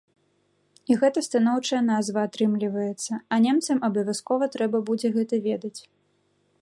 І гэта станоўчая назва атрымліваецца, а немцам абавязкова трэба будзе гэта ведаць.